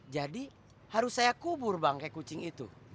jadi harus saya kubur bangke kucing itu